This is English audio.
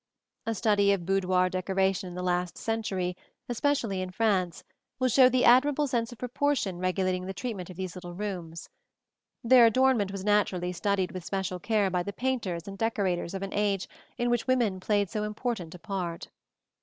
A study of boudoir decoration in the last century, especially in France, will show the admirable sense of proportion regulating the treatment of these little rooms (see Plate XL). Their adornment was naturally studied with special care by the painters and decorators of an age in which women played so important a part.